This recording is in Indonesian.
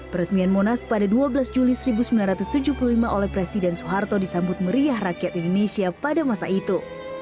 peresmian monas pada dua belas juli seribu sembilan ratus tujuh puluh lima oleh presiden soeharto disambut meriah rakyat indonesia pada masa itu